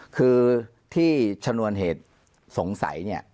คือที่ชนวนเหตุสงสัย